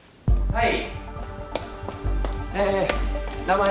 はい。